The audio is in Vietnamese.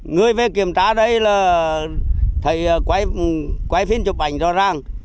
người về kiểm tra đây là thầy quay phim chụp ảnh cho rằng